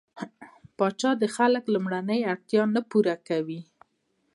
پاچا د خلکو لومړنۍ اړتياوې نه پوره کوي.